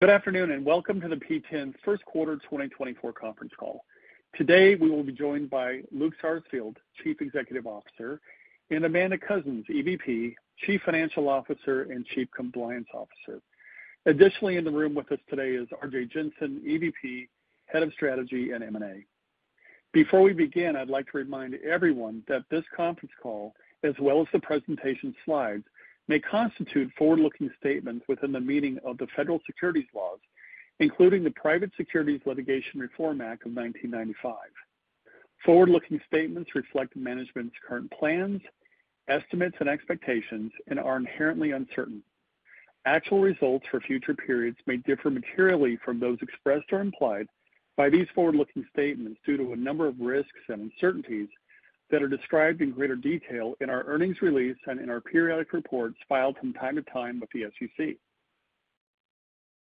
Good afternoon, and welcome to the P10 first quarter 2024 conference call. Today, we will be joined by Luke Sarsfield, Chief Executive Officer, and Amanda Coussens, EVP, Chief Financial Officer, and Chief Compliance Officer. Additionally, in the room with us today is Arjay Jensen, EVP, Head of Strategy and M&A. Before we begin, I'd like to remind everyone that this conference call, as well as the presentation slides, may constitute forward-looking statements within the meaning of the federal securities laws, including the Private Securities Litigation Reform Act of 1995. Forward-looking statements reflect management's current plans, estimates, and expectations and are inherently uncertain. Actual results for future periods may differ materially from those expressed or implied by these forward-looking statements due to a number of risks and uncertainties that are described in greater detail in our earnings release and in our periodic reports filed from time to time with the SEC.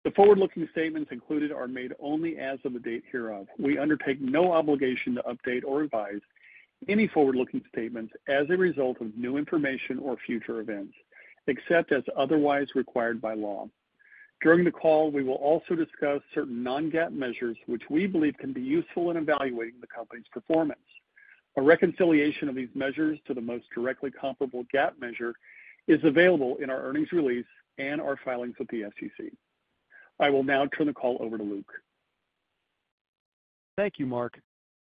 The forward-looking statements included are made only as of the date hereof. We undertake no obligation to update or revise any forward-looking statements as a result of new information or future events, except as otherwise required by law. During the call, we will also discuss certain non-GAAP measures, which we believe can be useful in evaluating the company's performance. A reconciliation of these measures to the most directly comparable GAAP measure is available in our earnings release and our filings with the SEC. I will now turn the call over to Luke. Thank you, Mark.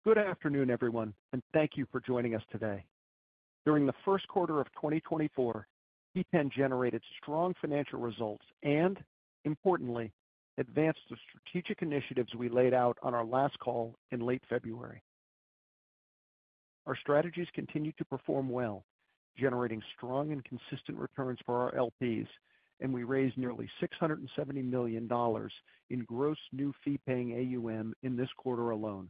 Good afternoon, everyone, and thank you for joining us today. During the first quarter of 2024, P10 generated strong financial results and importantly, advanced the strategic initiatives we laid out on our last call in late February. Our strategies continued to perform well, generating strong and consistent returns for our LPs, and we raised nearly $670 million in gross new fee-paying AUM in this quarter alone.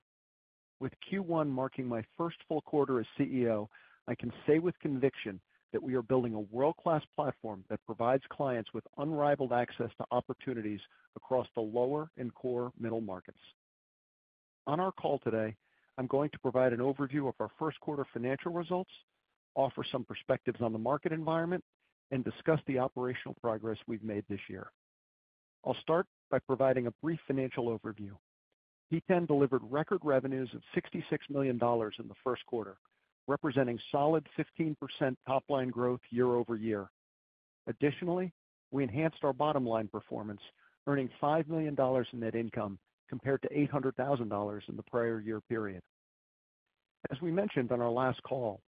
With Q1 marking my first full quarter as CEO, I can say with conviction that we are building a world-class platform that provides clients with unrivaled access to opportunities across the lower and core middle markets. On our call today, I'm going to provide an overview of our first quarter financial results, offer some perspectives on the market environment, and discuss the operational progress we've made this year. I'll start by providing a brief financial overview. P10 delivered record revenues of $66 million in the first quarter, representing solid 15% top-line growth year-over-year. Additionally, we enhanced our bottom-line performance, earning $5 million in net income, compared to $800,000 in the prior year period. As we mentioned on our last call,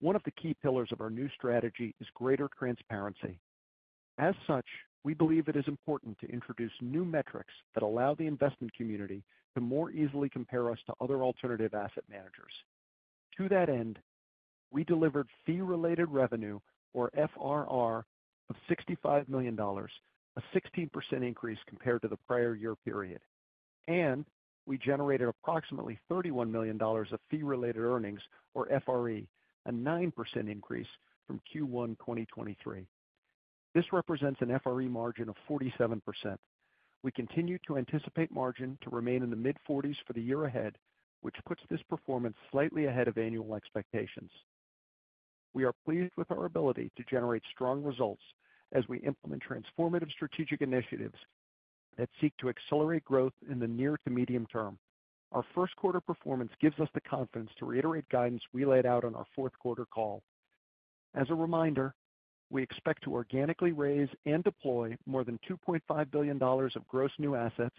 one of the key pillars of our new strategy is greater transparency. As such, we believe it is important to introduce new metrics that allow the investment community to more easily compare us to other alternative asset managers. To that end, we delivered fee-related revenue, or FRR, of $65 million, a 16% increase compared to the prior year period, and we generated approximately $31 million of fee-related earnings, or FRE, a 9% increase from Q1 2023. This represents an FRE margin of 47%. We continue to anticipate margin to remain in the mid-40s for the year ahead, which puts this performance slightly ahead of annual expectations. We are pleased with our ability to generate strong results as we implement transformative strategic initiatives that seek to accelerate growth in the near- to medium-term. Our first quarter performance gives us the confidence to reiterate guidance we laid out on our fourth quarter call. As a reminder, we expect to organically raise and deploy more than $2.5 billion of gross new assets.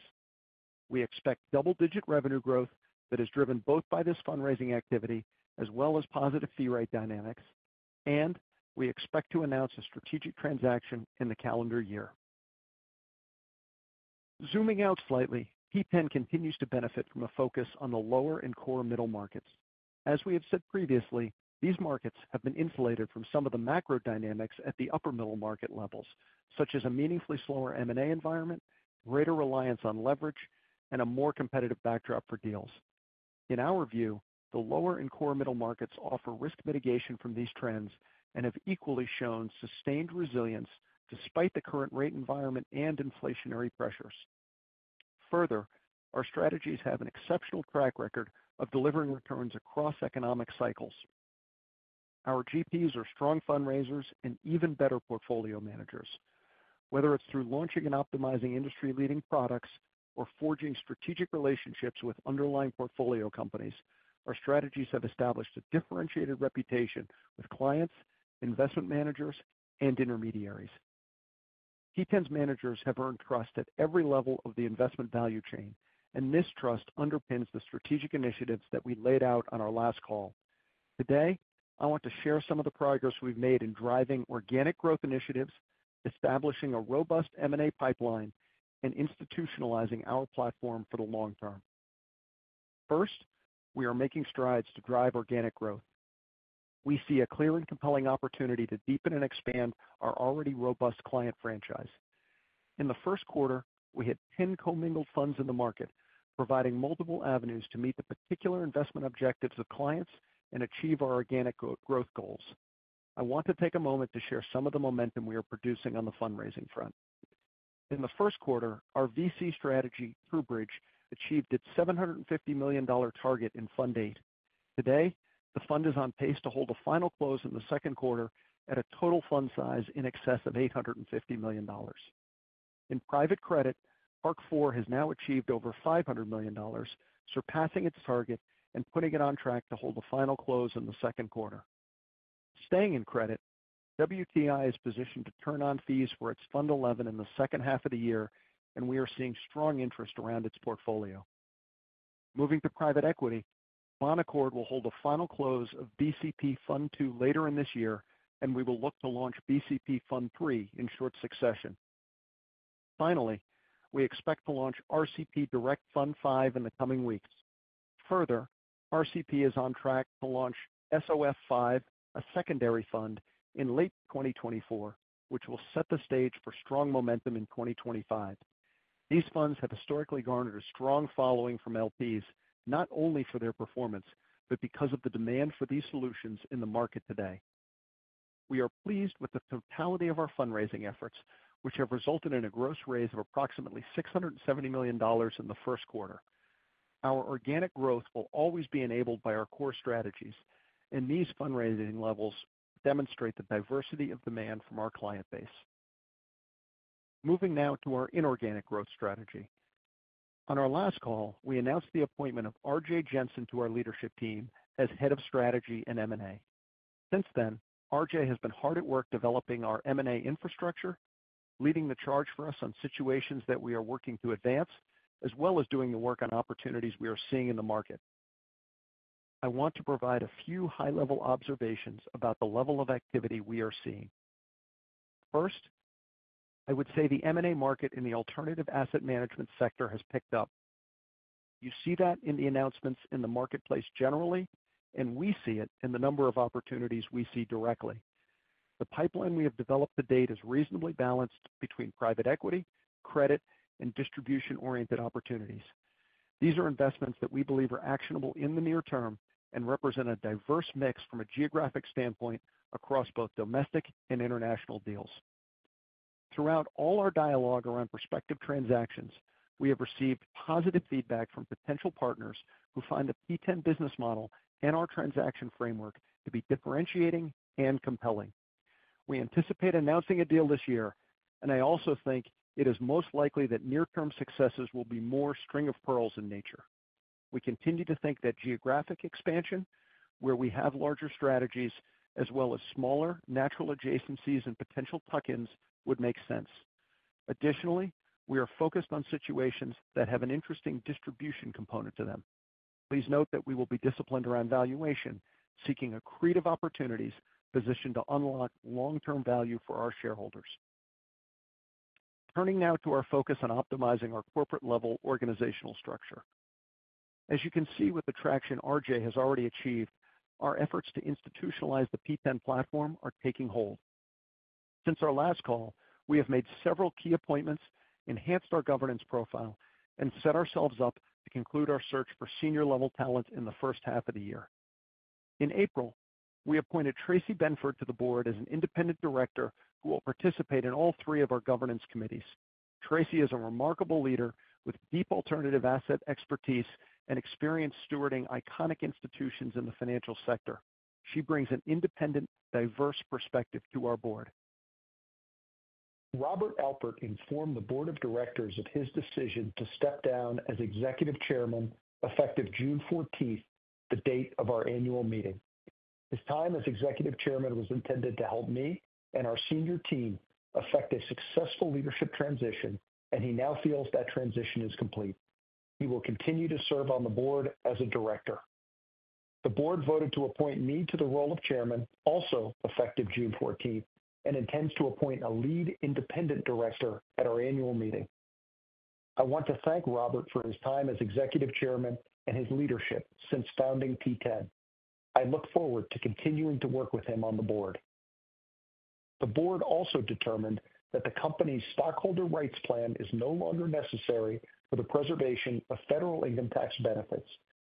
We expect double-digit revenue growth that is driven both by this fundraising activity as well as positive fee rate dynamics, and we expect to announce a strategic transaction in the calendar year. Zooming out slightly, P10 continues to benefit from a focus on the lower and core middle markets. As we have said previously, these markets have been insulated from some of the macro dynamics at the upper middle market levels, such as a meaningfully slower M&A environment, greater reliance on leverage, and a more competitive backdrop for deals. In our view, the lower and core middle markets offer risk mitigation from these trends and have equally shown sustained resilience despite the current rate environment and inflationary pressures. Further, our strategies have an exceptional track record of delivering returns across economic cycles. Our GPs are strong fundraisers and even better portfolio managers. Whether it's through launching and optimizing industry-leading products or forging strategic relationships with underlying portfolio companies, our strategies have established a differentiated reputation with clients, investment managers, and intermediaries. P10's managers have earned trust at every level of the investment value chain, and this trust underpins the strategic initiatives that we laid out on our last call. Today, I want to share some of the progress we've made in driving organic growth initiatives, establishing a robust M&A pipeline, and institutionalizing our platform for the long term. First, we are making strides to drive organic growth. We see a clear and compelling opportunity to deepen and expand our already robust client franchise. In the first quarter, we had 10 commingled funds in the market, providing multiple avenues to meet the particular investment objectives of clients and achieve our organic growth goals. I want to take a moment to share some of the momentum we are producing on the fundraising front. In the first quarter, our VC strategy, TrueBridge, achieved its $750 million target in Fund VIII. Today, the fund is on pace to hold a final close in the second quarter at a total fund size in excess of $850 million. In private credit, Hark IV has now achieved over $500 million, surpassing its target and putting it on track to hold a final close in the second quarter. Staying in credit, WTI is positioned to turn on fees for its Fund XI in the second half of the year, and we are seeing strong interest around its portfolio. Moving to private equity, Bonaccord will hold a final close of BCP Fund II later in this year, and we will look to launch BCP Fund III in short succession. Finally, we expect to launch RCP Direct Fund V in the coming weeks. Further, RCP is on track to launch SOF V, a secondary fund, in late 2024, which will set the stage for strong momentum in 2025. These funds have historically garnered a strong following from LPs, not only for their performance, but because of the demand for these solutions in the market today. We are pleased with the totality of our fundraising efforts, which have resulted in a gross raise of approximately $670 million in the first quarter. Our organic growth will always be enabled by our core strategies, and these fundraising levels demonstrate the diversity of demand from our client base. Moving now to our inorganic growth strategy. On our last call, we announced the appointment of Arjay Jensen to our leadership team as Head of Strategy and M&A. Since then, Arjay has been hard at work developing our M&A infrastructure, leading the charge for us on situations that we are working to advance, as well as doing the work on opportunities we are seeing in the market. I want to provide a few high-level observations about the level of activity we are seeing. First, I would say the M&A market in the alternative asset management sector has picked up. You see that in the announcements in the marketplace generally, and we see it in the number of opportunities we see directly. The pipeline we have developed to date is reasonably balanced between private equity, credit, and distribution-oriented opportunities. These are investments that we believe are actionable in the near term and represent a diverse mix from a geographic standpoint across both domestic and international deals. Throughout all our dialogue around prospective transactions, we have received positive feedback from potential partners who find the P10 business model and our transaction framework to be differentiating and compelling. We anticipate announcing a deal this year, and I also think it is most likely that near-term successes will be more string of pearls in nature. We continue to think that geographic expansion, where we have larger strategies as well as smaller natural adjacencies and potential tuck-ins, would make sense. Additionally, we are focused on situations that have an interesting distribution component to them. Please note that we will be disciplined around valuation, seeking accretive opportunities positioned to unlock long-term value for our shareholders. Turning now to our focus on optimizing our corporate-level organizational structure. As you can see with the traction Arjay has already achieved, our efforts to institutionalize the P10 platform are taking hold. Since our last call, we have made several key appointments, enhanced our governance profile, and set ourselves up to conclude our search for senior-level talent in the first half of the year. In April, we appointed Tracey Benford to the Board as an independent director who will participate in all three of our governance committees. Tracey is a remarkable leader with deep alternative asset expertise and experience stewarding iconic institutions in the financial sector. She brings an independent, diverse perspective to our Board. Robert Alpert informed the board of directors of his decision to step down as Executive Chairman, effective June fourteenth, the date of our annual meeting. His time as Executive Chairman was intended to help me and our senior team effect a successful leadership transition, and he now feels that transition is complete. He will continue to serve on the board as a director. The board voted to appoint me to the role of chairman, also effective June fourteenth, and intends to appoint a lead independent director at our annual meeting. I want to thank Robert for his time as Executive Chairman and his leadership since founding P10. I look forward to continuing to work with him on the board. The board also determined that the company's Stockholder Rights Plan is no longer necessary for the preservation of federal income tax benefits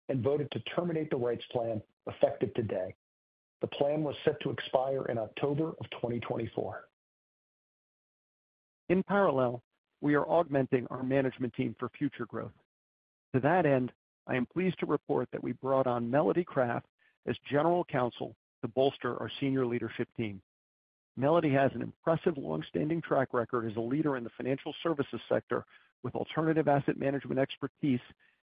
and voted to terminate the rights plan effective today. The plan was set to expire in October of 2024. In parallel, we are augmenting our management team for future growth. To that end, I am pleased to report that we brought on Melodie Craft as General Counsel to bolster our senior leadership team. Melodie has an impressive, long-standing track record as a leader in the financial services sector, with alternative asset management expertise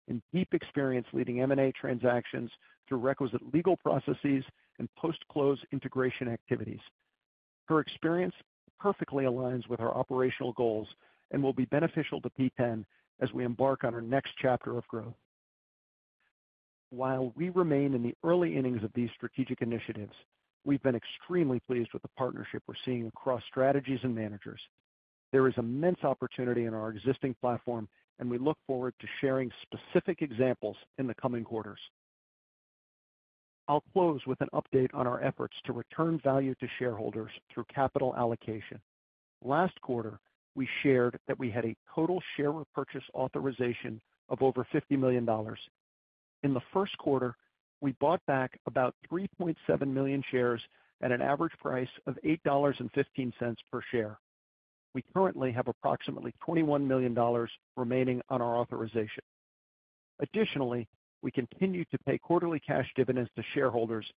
and deep experience leading M&A transactions through requisite legal processes and post-close integration activities. Her experience perfectly aligns with our operational goals and will be beneficial to P10 as we embark on our next chapter of growth. While we remain in the early innings of these strategic initiatives, we've been extremely pleased with the partnership we're seeing across strategies and managers. There is immense opportunity in our existing platform, and we look forward to sharing specific examples in the coming quarters. I'll close with an update on our efforts to return value to shareholders through capital allocation. Last quarter, we shared that we had a total share repurchase authorization of over $50 million. In the first quarter, we bought back about 3.7 million shares at an average price of $8.15 per share.... We currently have approximately $21 million remaining on our authorization. Additionally, we continue to pay quarterly cash dividends to shareholders,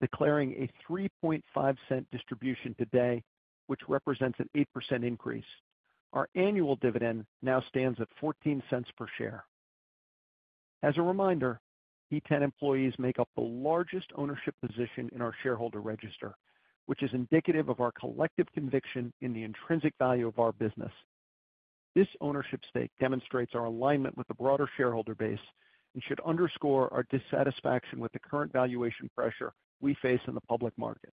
declaring a 3.5-cent distribution today, which represents an 8% increase. Our annual dividend now stands at 14 cents per share. As a reminder, P10 employees make up the largest ownership position in our shareholder register, which is indicative of our collective conviction in the intrinsic value of our business. This ownership stake demonstrates our alignment with the broader shareholder base and should underscore our dissatisfaction with the current valuation pressure we face in the public market.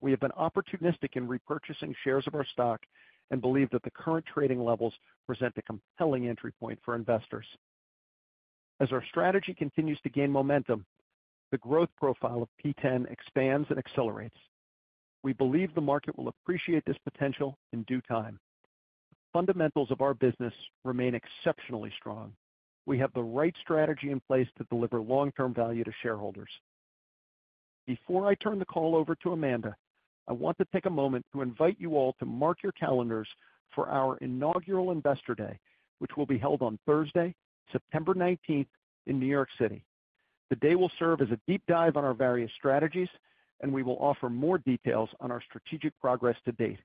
We have been opportunistic in repurchasing shares of our stock and believe that the current trading levels present a compelling entry point for investors. As our strategy continues to gain momentum, the growth profile of P10 expands and accelerates. We believe the market will appreciate this potential in due time. Fundamentals of our business remain exceptionally strong. We have the right strategy in place to deliver long-term value to shareholders. Before I turn the call over to Amanda, I want to take a moment to invite you all to mark your calendars for our inaugural Investor Day, which will be held on Thursday, September nineteenth, in New York City. The day will serve as a deep dive on our various strategies, and we will offer more details on our strategic progress to date.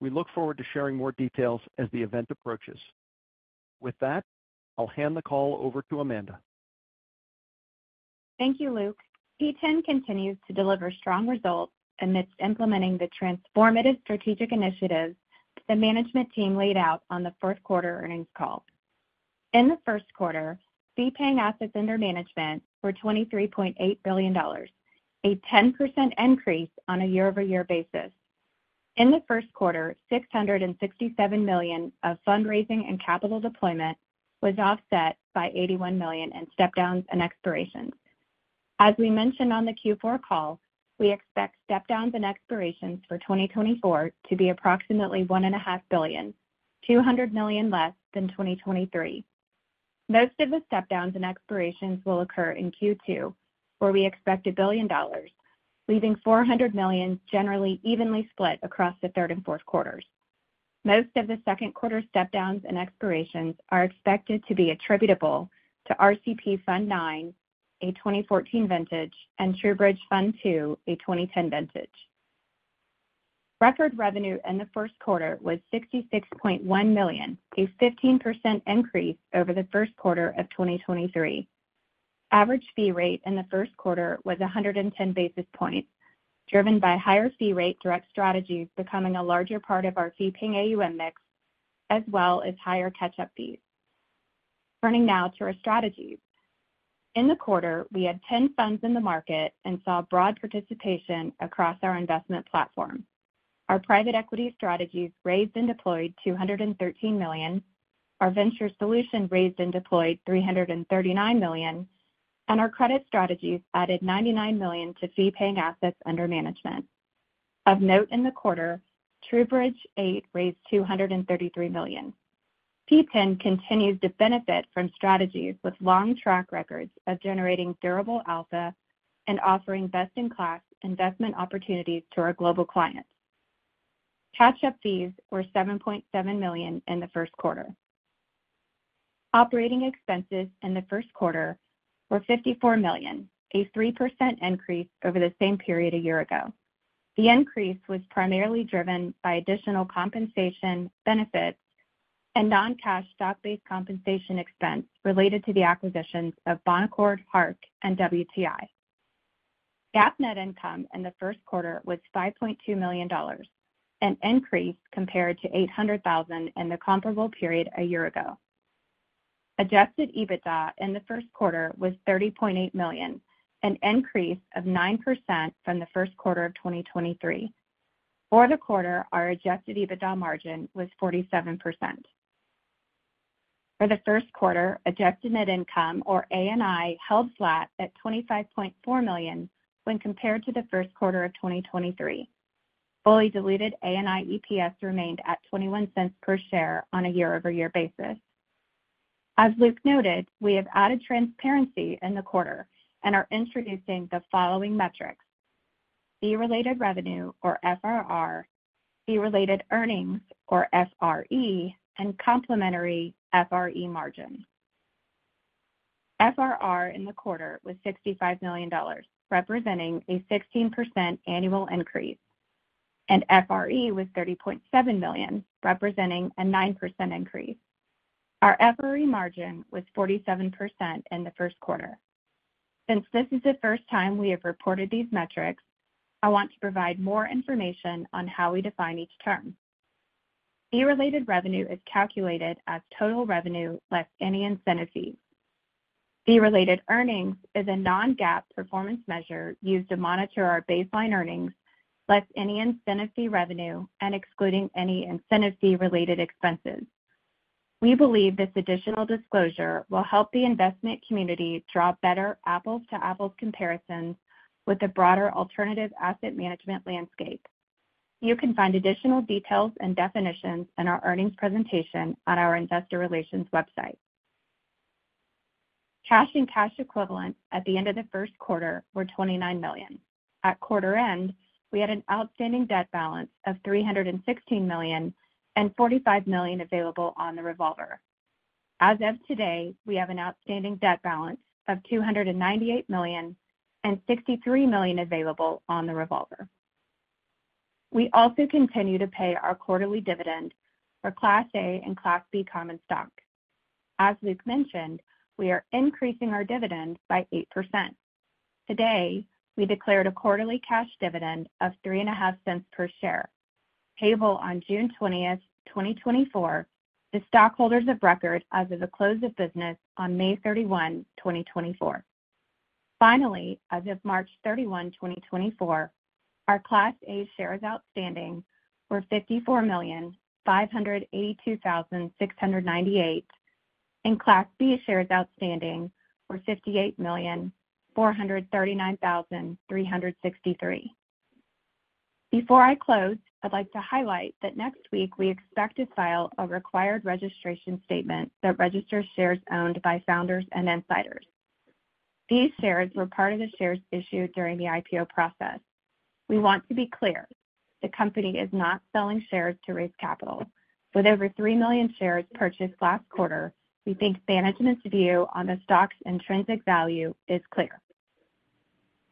We look forward to sharing more details as the event approaches. With that, I'll hand the call over to Amanda. Thank you, Luke. P10 continues to deliver strong results amidst implementing the transformative strategic initiatives the management team laid out on the first quarter earnings call. In the first quarter, fee-paying assets under management were $23.8 billion, a 10% increase on a year-over-year basis. In the first quarter, $667 million of fundraising and capital deployment was offset by $81 million in step downs and expirations. As we mentioned on the Q4 call, we expect step downs and expirations for 2024 to be approximately $1.7 billion less than 2023. Most of the step downs and expirations will occur in Q2, where we expect $1 billion, leaving $400 million generally evenly split across the third and fourth quarters. Most of the second quarter step downs and expirations are expected to be attributable to RCP Fund IX, a 2014 vintage, and TrueBridge Fund II, a 2010 vintage. Record revenue in the first quarter was $66.1 million, a 15% increase over the first quarter of 2023. Average fee rate in the first quarter was 110 basis points, driven by higher fee rate direct strategies becoming a larger part of our fee-paying AUM mix, as well as higher catch-up fees. Turning now to our strategies. In the quarter, we had 10 funds in the market and saw broad participation across our investment platform. Our private equity strategies raised and deployed $213 million, our venture solution raised and deployed $339 million, and our credit strategies added $99 million to fee-paying assets under management. Of note in the quarter, TrueBridge VIII raised $233 million. P10 continues to benefit from strategies with long track records of generating durable alpha and offering best-in-class investment opportunities to our global clients. Catch-up fees were $7.7 million in the first quarter. Operating expenses in the first quarter were $54 million, a 3% increase over the same period a year ago. The increase was primarily driven by additional compensation benefits and non-cash stock-based compensation expense related to the acquisitions of Bonaccord, Hark, and WTI. GAAP net income in the first quarter was $5.2 million, an increase compared to $800,000 in the comparable period a year ago. Adjusted EBITDA in the first quarter was $30.8 million, an increase of 9% from the first quarter of 2023. For the quarter, our adjusted EBITDA margin was 47%. For the first quarter, adjusted net income, or ANI, held flat at $25.4 million when compared to the first quarter of 2023. Fully diluted ANI EPS remained at 21 cents per share on a year-over-year basis. As Luke noted, we have added transparency in the quarter and are introducing the following metrics: fee-related revenue, or FRR, fee-related earnings, or FRE, and complementary FRE margin. FRR in the quarter was $65 million, representing a 16% annual increase, and FRE was $30.7 million, representing a 9% increase. Our FRE margin was 47% in the first quarter. Since this is the first time we have reported these metrics, I want to provide more information on how we define each term. Fee-related revenue is calculated as total revenue less any incentive fees. Fee-related earnings is a non-GAAP performance measure used to monitor our baseline earnings less any incentive fee revenue and excluding any incentive fee-related expenses. We believe this additional disclosure will help the investment community draw better apples-to-apples comparisons with the broader alternative asset management landscape. You can find additional details and definitions in our earnings presentation on our investor relations website. Cash and cash equivalents at the end of the first quarter were $29 million. At quarter end, we had an outstanding debt balance of $316 million and $45 million available on the revolver. As of today, we have an outstanding debt balance of $298 million and $63 million available on the revolver. We also continue to pay our quarterly dividend for Class A and Class B common stock. As Luke mentioned, we are increasing our dividend by 8%. Today, we declared a quarterly cash dividend of $0.035 per share, payable on June twentieth, 2024 to stockholders of record as of the close of business on May thirty-first, 2024. Finally, as of March thirty-first, 2024, our Class A shares outstanding were 54,582,698, and Class B shares outstanding were 58,439,363. Before I close, I'd like to highlight that next week, we expect to file a required registration statement that registers shares owned by founders and insiders. These shares were part of the shares issued during the IPO process. We want to be clear, the company is not selling shares to raise capital. With over 3 million shares purchased last quarter, we think management's view on the stock's intrinsic value is clear.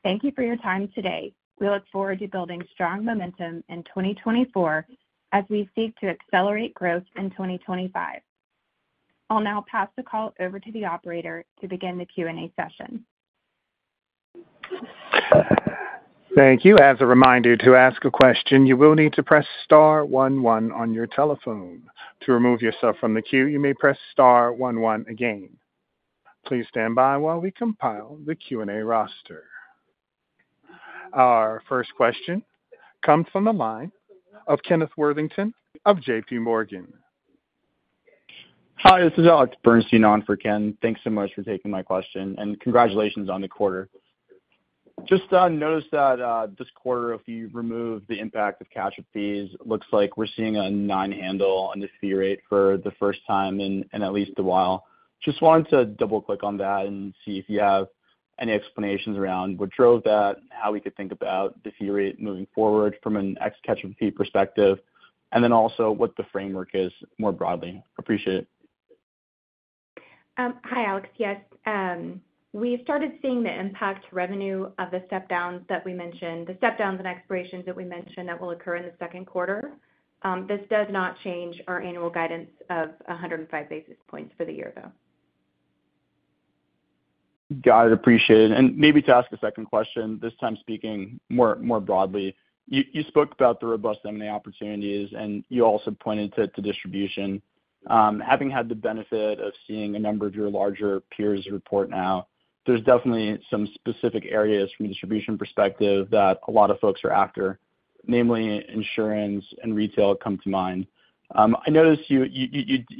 Thank you for your time today. We look forward to building strong momentum in 2024 as we seek to accelerate growth in 2025. I'll now pass the call over to the operator to begin the Q&A session. Thank you. As a reminder, to ask a question, you will need to press star one one on your telephone. To remove yourself from the queue, you may press star one one again. Please stand by while we compile the Q&A roster. Our first question comes from the line of Kenneth Worthington of JPMorgan. Hi, this is Alex Bernstein on for Ken. Thanks so much for taking my question, and congratulations on the quarter. Just noticed that this quarter, if you remove the impact of cash fees, it looks like we're seeing a nine handle on this fee rate for the first time in at least a while. Just wanted to double-click on that and see if you have any explanations around what drove that, how we could think about the fee rate moving forward from an ex cash and fee perspective, and then also what the framework is more broadly. Appreciate it. Hi, Alex. Yes, we started seeing the impact to revenue of the step downs that we mentioned, the step downs and expirations that we mentioned that will occur in the second quarter. This does not change our annual guidance of 105 basis points for the year, though. Got it. Appreciate it. And maybe to ask a second question, this time speaking more broadly. You spoke about the robust M&A opportunities, and you also pointed to distribution. Having had the benefit of seeing a number of your larger peers report now, there's definitely some specific areas from a distribution perspective that a lot of folks are after, namely, insurance and retail come to mind. I noticed you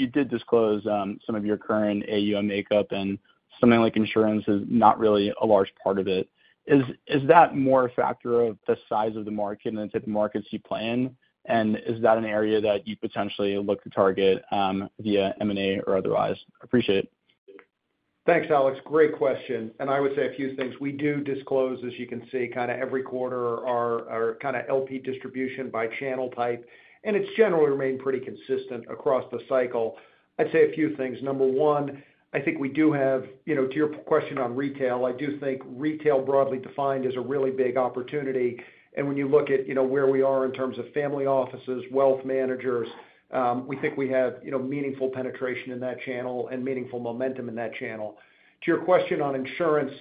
did disclose some of your current AUM makeup, and something like insurance is not really a large part of it. Is that more a factor of the size of the market and the type of markets you play in? And is that an area that you potentially look to target via M&A or otherwise? Appreciate it. Thanks, Alex. Great question, and I would say a few things. We do disclose, as you can see, kinda every quarter, our, our kinda LP distribution by channel type, and it's generally remained pretty consistent across the cycle. I'd say a few things. Number one, I think we do have, you know, to your question on retail, I do think retail, broadly defined, is a really big opportunity. And when you look at, you know, where we are in terms of family offices, wealth managers, we think we have, you know, meaningful penetration in that channel and meaningful momentum in that channel. To your question on insurance,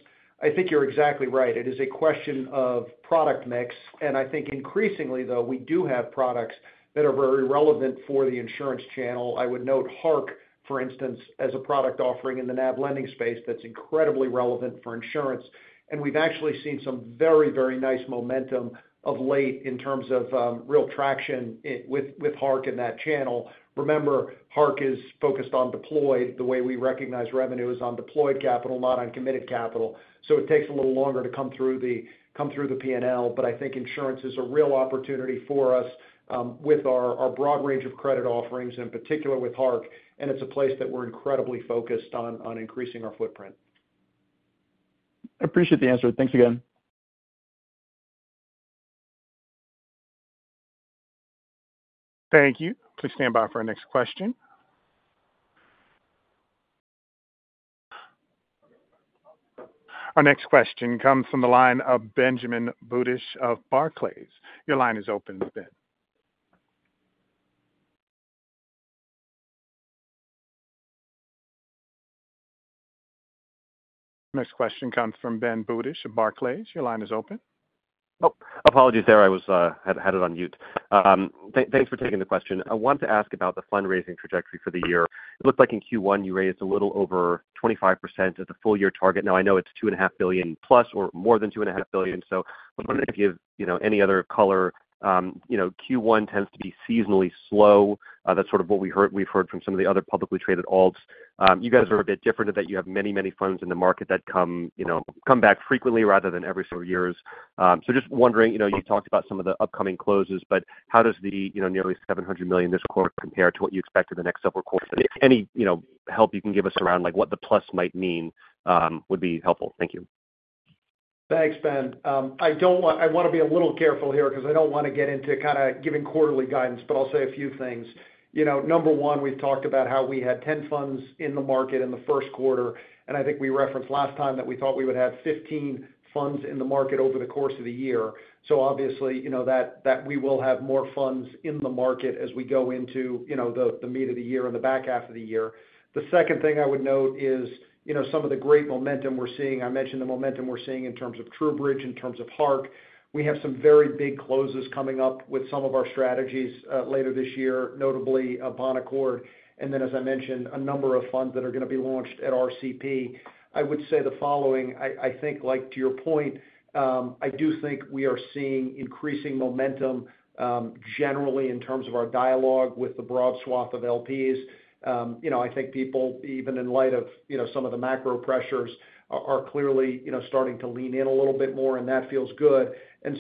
I think you're exactly right. It is a question of product mix, and I think increasingly, though, we do have products that are very relevant for the insurance channel. I would note Hark, for instance, as a product offering in the NAV lending space that's incredibly relevant for insurance. And we've actually seen some very, very nice momentum of late in terms of real traction with Hark in that channel. Remember, Hark is focused on deployed. The way we recognize revenue is on deployed capital, not on committed capital, so it takes a little longer to come through the PNL. But I think insurance is a real opportunity for us with our broad range of credit offerings, in particular with Hark, and it's a place that we're incredibly focused on increasing our footprint. Appreciate the answer. Thanks again. Thank you. Please stand by for our next question. Our next question comes from the line of Benjamin Budish of Barclays. Your line is open, Ben. Next question comes from Ben Budish of Barclays. Your line is open. Oh, apologies there. I had it on mute. Thanks for taking the question. I wanted to ask about the fundraising trajectory for the year. It looked like in Q1, you raised a little over 25% of the full year target. Now, I know it's $2.5 billion plus or more than $2.5 billion, so I was wondering if you have, you know, any other color. You know, Q1 tends to be seasonally slow. That's sort of what we've heard from some of the other publicly traded alts. You guys are a bit different in that you have many, many funds in the market that come, you know, come back frequently rather than every several years. So just wondering, you know, you talked about some of the upcoming closes, but how does the, you know, nearly $700 million this quarter compare to what you expect in the next several quarters? Any, you know, help you can give us around, like, what the plus might mean, would be helpful. Thank you. Thanks, Ben. I don't want—I wanna be a little careful here 'cause I don't wanna get into kind of giving quarterly guidance, but I'll say a few things. You know, number one, we've talked about how we had 10 funds in the market in the first quarter, and I think we referenced last time that we thought we would have 15 funds in the market over the course of the year. So obviously, you know, that we will have more funds in the market as we go into, you know, the mid of the year and the back half of the year. The second thing I would note is, you know, some of the great momentum we're seeing, I mentioned the momentum we're seeing in terms of TrueBridge, in terms of Hark. We have some very big closes coming up with some of our strategies later this year, notably Bonaccord, and then, as I mentioned, a number of funds that are gonna be launched at RCP. I would say the following: I think, like, to your point, I do think we are seeing increasing momentum generally in terms of our dialogue with the broad swath of LPs. You know, I think people, even in light of some of the macro pressures, are clearly starting to lean in a little bit more, and that feels good.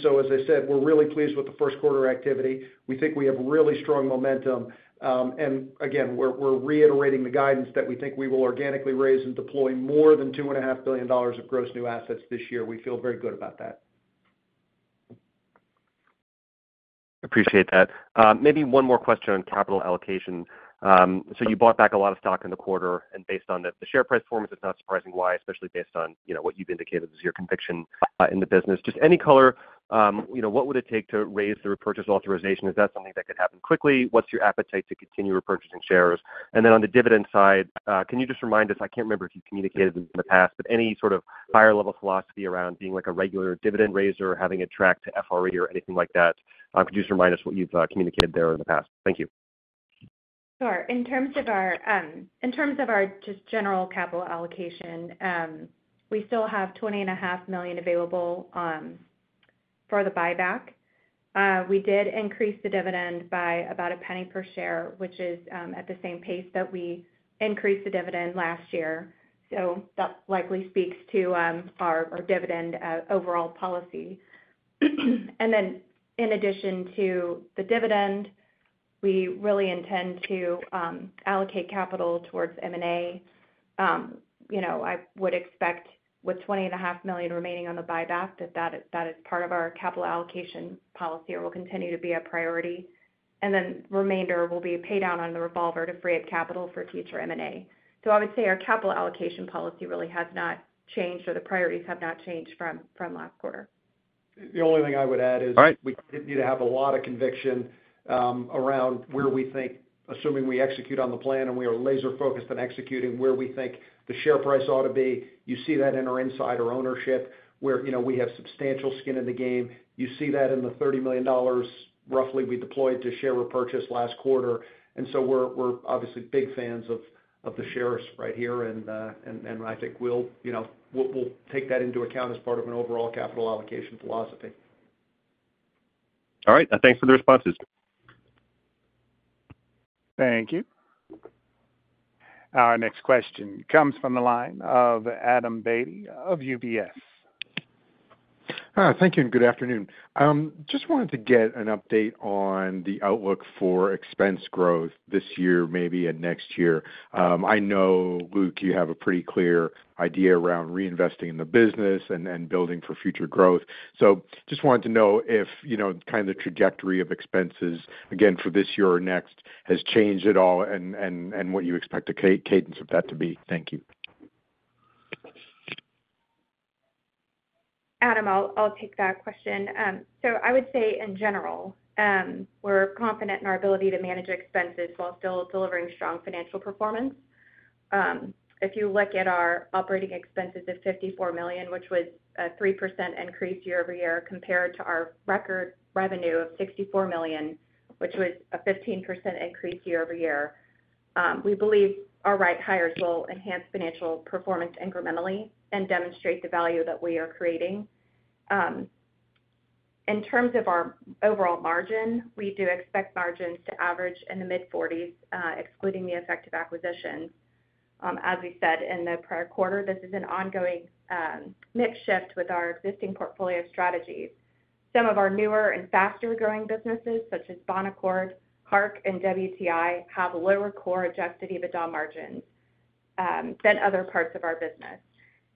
So, as I said, we're really pleased with the first quarter activity. We think we have really strong momentum. And again, we're reiterating the guidance that we think we will organically raise and deploy more than $2.5 billion of gross new assets this year. We feel very good about that. Appreciate that. Maybe one more question on capital allocation. So you bought back a lot of stock in the quarter, and based on the share price performance, it's not surprising why, especially based on, you know, what you've indicated is your conviction in the business. Just any color, you know, what would it take to raise the repurchase authorization? Is that something that could happen quickly? What's your appetite to continue repurchasing shares? And then on the dividend side, can you just remind us, I can't remember if you communicated this in the past, but any sort of higher level philosophy around being like a regular dividend raiser or having a track to FRR or anything like that? Could you just remind us what you've communicated there in the past? Thank you. Sure. In terms of our just general capital allocation, we still have $20.5 million available for the buyback. We did increase the dividend by about $0.01 per share, which is at the same pace that we increased the dividend last year, so that likely speaks to our overall dividend policy. And then in addition to the dividend, we really intend to allocate capital towards M&A. You know, I would expect with $20.5 million remaining on the buyback, that is part of our capital allocation policy and will continue to be a priority. And then remainder will be paid down on the revolver to free up capital for future M&A. So I would say our capital allocation policy really has not changed, or the priorities have not changed from last quarter. The only thing I would add is- Right... we continue to have a lot of conviction around where we think, assuming we execute on the plan, and we are laser focused on executing, where we think the share price ought to be. You see that in our insider ownership, where, you know, we have substantial skin in the game. You see that in the $30 million, roughly, we deployed to share repurchase last quarter. And so we're obviously big fans of the shares right here, and I think we'll, you know, take that into account as part of an overall capital allocation philosophy. All right. Thanks for the responses. Thank you. Our next question comes from the line of Adam Beatty of UBS. Thank you, and good afternoon. Just wanted to get an update on the outlook for expense growth this year, maybe, and next year. I know, Luke, you have a pretty clear idea around reinvesting in the business and, and building for future growth. So just wanted to know if, you know, the kind of trajectory of expenses, again, for this year or next, has changed at all and, and, and what you expect the cadence of that to be. Thank you. Adam, I'll take that question. So I would say in general, we're confident in our ability to manage expenses while still delivering strong financial performance. If you look at our operating expenses of $54 million, which was a 3% increase year-over-year, compared to our record revenue of $64 million, which was a 15% increase year-over-year, we believe our right hires will enhance financial performance incrementally and demonstrate the value that we are creating. In terms of our overall margin, we do expect margins to average in the mid-40s, excluding the effective acquisition. As we said in the prior quarter, this is an ongoing, mix shift with our existing portfolio strategies. Some of our newer and faster-growing businesses, such as Bonaccord, Hark, and WTI, have lower core Adjusted EBITDA margins, than other parts of our business,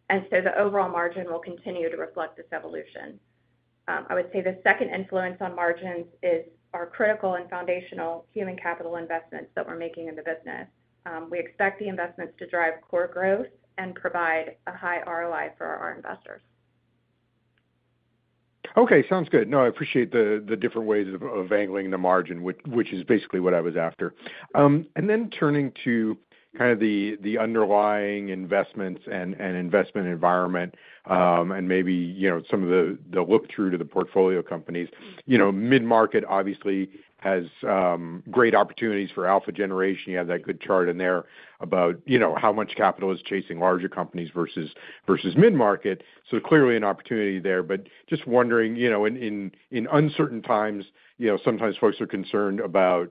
and so the overall margin will continue to reflect this evolution. I would say the second influence on margins is our critical and foundational human capital investments that we're making in the business. We expect the investments to drive core growth and provide a high ROI for our investors. Okay, sounds good. No, I appreciate the different ways of angling the margin, which is basically what I was after. And then turning to kind of the underlying investments and investment environment, and maybe, you know, some of the look through to the portfolio companies. You know, mid-market obviously has great opportunities for alpha generation. You had that good chart in there about, you know, how much capital is chasing larger companies versus mid-market. So clearly an opportunity there, but just wondering, you know, in uncertain times, you know, sometimes folks are concerned about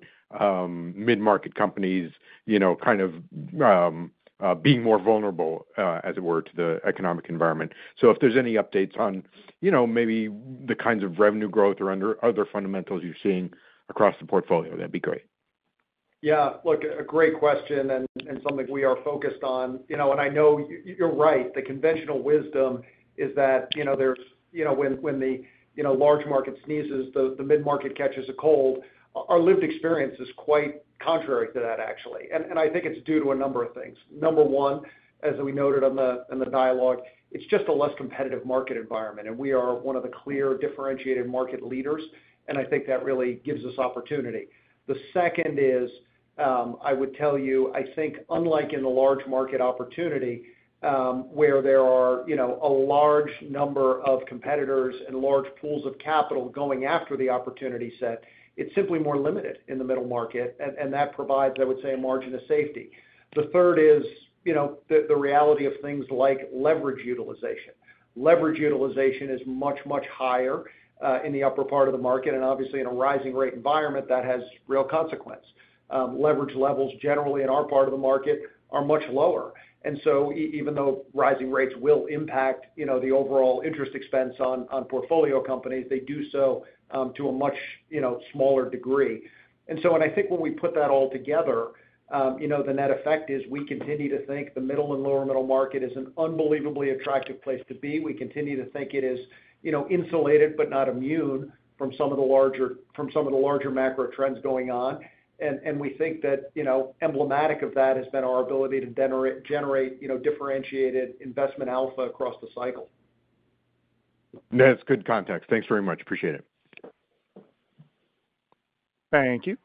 mid-market companies, you know, kind of being more vulnerable, as it were, to the economic environment. So if there's any updates on, you know, maybe the kinds of revenue growth or under other fundamentals you're seeing across the portfolio, that'd be great. Yeah, look, a great question and something we are focused on. You know, and I know you're right. The conventional wisdom is that, you know, there's, you know, when, when the, you know, large market sneezes, the middle market catches a cold. Our lived experience is quite contrary to that, actually, and I think it's due to a number of things. Number one, as we noted in the dialogue, it's just a less competitive market environment, and we are one of the clear differentiated market leaders, and I think that really gives us opportunity. The second is, I would tell you, I think unlike in the large market opportunity, where there are, you know, a large number of competitors and large pools of capital going after the opportunity set, it's simply more limited in the middle market, and, and that provides, I would say, a margin of safety. The third is, you know, the, the reality of things like leverage utilization. Leverage utilization is much, much higher in the upper part of the market, and obviously, in a rising rate environment, that has real consequence. Leverage levels, generally, in our part of the market are much lower. And so even though rising rates will impact, you know, the overall interest expense on, on portfolio companies, they do so to a much, you know, smaller degree. And so I think when we put that all together, you know, the net effect is we continue to think the Middle and lower Middle Market is an unbelievably attractive place to be. We continue to think it is, you know, insulated, but not immune from some of the larger macro trends going on. And we think that, you know, emblematic of that has been our ability to generate, you know, differentiated investment Alpha across the cycle. That's good context. Thanks very much. Appreciate it. Thank you.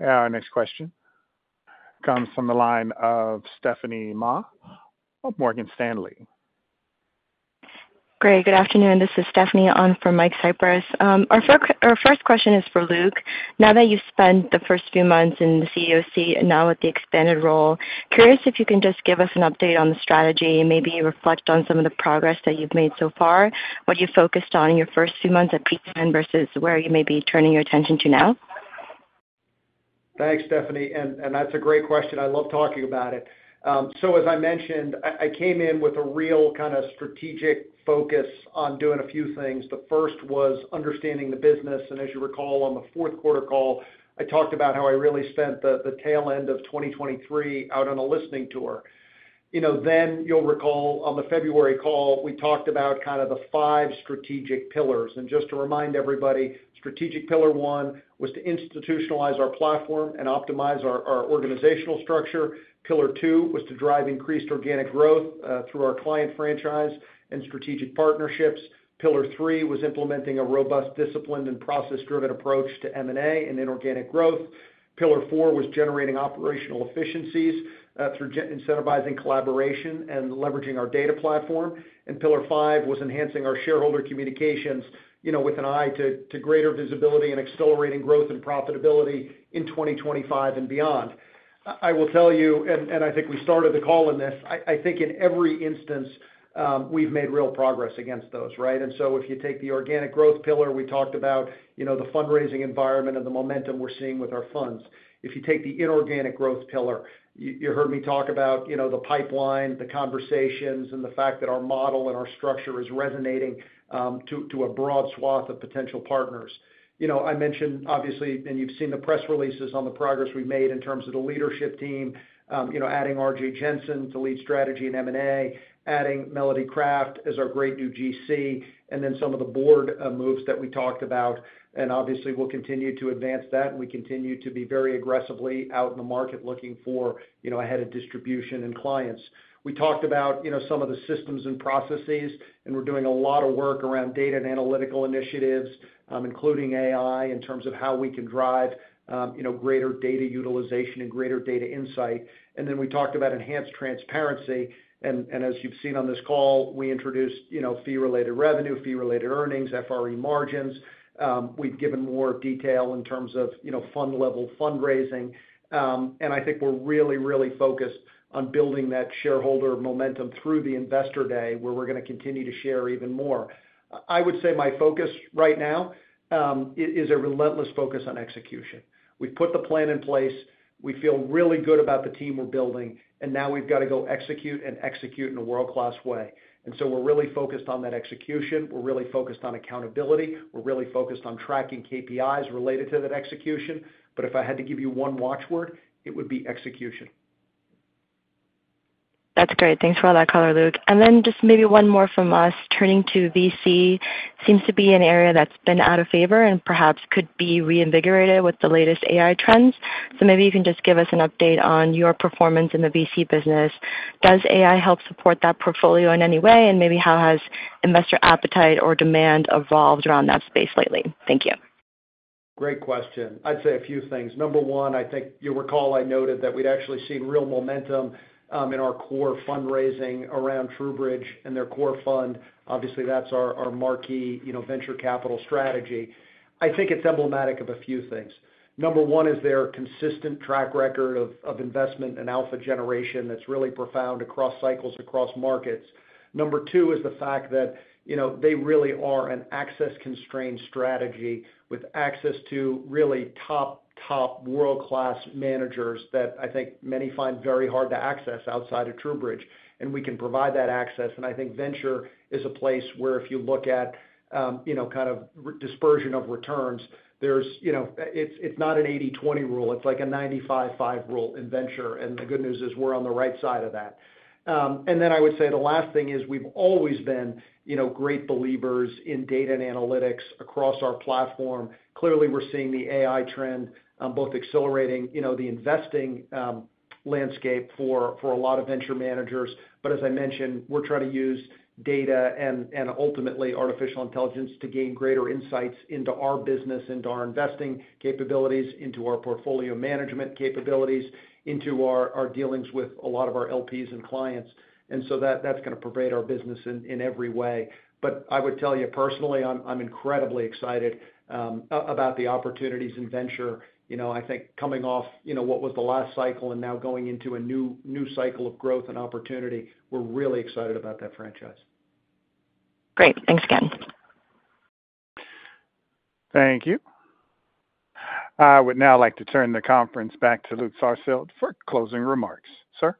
Our next question comes from the line of Stephanie Ma of Morgan Stanley. Great. Good afternoon. This is Stephanie on from Michael Cyprys. Our first question is for Luke. Now that you've spent the first few months in the CEO and now with the expanded role, curious if you can just give us an update on the strategy and maybe reflect on some of the progress that you've made so far, what you focused on in your first few months at P10 versus where you may be turning your attention to now? Thanks, Stephanie, and that's a great question. I love talking about it. So as I mentioned, I came in with a real kind of strategic focus on doing a few things. The first was understanding the business, and as you recall, on the fourth quarter call, I talked about how I really spent the tail end of 2023 out on a listening tour. You know, then you'll recall on the February call, we talked about kind of the five strategic pillars. And just to remind everybody, strategic pillar one was to institutionalize our platform and optimize our organizational structure. Pillar two was to drive increased organic growth through our client franchise and strategic partnerships. Pillar three was implementing a robust, disciplined, and process-driven approach to M&A and inorganic growth. Pillar four was generating operational efficiencies through incentivizing collaboration and leveraging our data platform. And pillar five was enhancing our shareholder communications, you know, with an eye to greater visibility and accelerating growth and profitability in 2025 and beyond. I will tell you, and I think we started the call on this, I think in every instance, we've made real progress against those, right? And so if you take the organic growth pillar, we talked about, you know, the fundraising environment and the momentum we're seeing with our funds. If you take the inorganic growth pillar, you heard me talk about, you know, the pipeline, the conversations, and the fact that our model and our structure is resonating to a broad swath of potential partners. You know, I mentioned, obviously, and you've seen the press releases on the progress we've made in terms of the leadership team, you know, adding Arjay Jensen to lead strategy and M&A, adding Melodie Craft as our great new GC, and then some of the board moves that we talked about, and obviously, we'll continue to advance that, and we continue to be very aggressively out in the market looking for, you know, a head of distribution and clients. We talked about, you know, some of the systems and processes, and we're doing a lot of work around data and analytical initiatives, including AI, in terms of how we can drive, you know, greater data utilization and greater data insight. And then we talked about enhanced transparency, and, and as you've seen on this call, we introduced, you know, fee-related revenue, fee-related earnings, FRE margins. We've given more detail in terms of, you know, fund level fundraising, and I think we're really, really focused on building that shareholder momentum through the investor day, where we're going to continue to share even more. I would say my focus right now is a relentless focus on execution. We've put the plan in place, we feel really good about the team we're building, and now we've got to go execute and execute in a world-class way. And so we're really focused on that execution. We're really focused on accountability. We're really focused on tracking KPIs related to that execution. But if I had to give you one watch word, it would be execution. That's great. Thanks for all that color, Luke. And then just maybe one more from us. Turning to VC seems to be an area that's been out of favor and perhaps could be reinvigorated with the latest AI trends. So maybe you can just give us an update on your performance in the VC business. Does AI help support that portfolio in any way? And maybe how has investor appetite or demand evolved around that space lately? Thank you. Great question. I'd say a few things. Number one, I think you'll recall I noted that we'd actually seen real momentum in our core fundraising around TrueBridge and their core fund. Obviously, that's our marquee, you know, venture capital strategy. I think it's emblematic of a few things. Number one is their consistent track record of investment and alpha generation that's really profound across cycles, across markets. Number two is the fact that, you know, they really are an access-constrained strategy with access to really top world-class managers that I think many find very hard to access outside of TrueBridge, and we can provide that access. And I think venture is a place where if you look at, you know, kind of redispersion of returns, there's, you know, it's, it's not an 80/20 rule, it's like a 95/5 rule in venture, and the good news is we're on the right side of that. And then I would say the last thing is we've always been, you know, great believers in data and analytics across our platform. Clearly, we're seeing the AI trend, both accelerating, you know, the investing landscape for, for a lot of venture managers. But as I mentioned, we're trying to use data and, and ultimately, artificial intelligence to gain greater insights into our business, into our investing capabilities, into our portfolio management capabilities, into our, our dealings with a lot of our LPs and clients. And so that's gonna pervade our business in, in every way. But I would tell you personally, I'm incredibly excited about the opportunities in venture. You know, I think coming off, you know, what was the last cycle and now going into a new cycle of growth and opportunity, we're really excited about that franchise. Great. Thanks again. Thank you. I would now like to turn the conference back to Luke Sarsfield for closing remarks. Sir?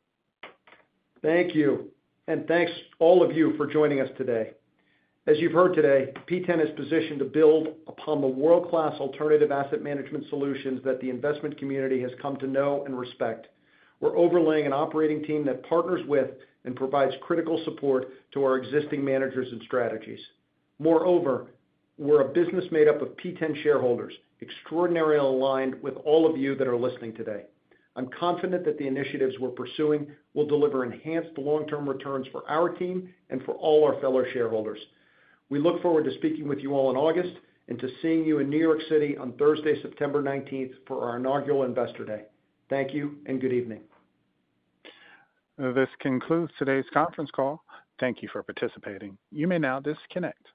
Thank you, and thanks all of you for joining us today. As you've heard today, P10 is positioned to build upon the world-class alternative asset management solutions that the investment community has come to know and respect. We're overlaying an operating team that partners with and provides critical support to our existing managers and strategies. Moreover, we're a business made up of P10 shareholders, extraordinarily aligned with all of you that are listening today. I'm confident that the initiatives we're pursuing will deliver enhanced long-term returns for our team and for all our fellow shareholders. We look forward to speaking with you all in August, and to seeing you in New York City on Thursday, September 19th, for our inaugural Investor Day. Thank you, and good evening. This concludes today's conference call. Thank you for participating. You may now disconnect.